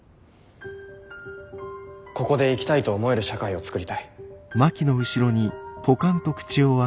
ここで生きたいと思える社会を創りたい。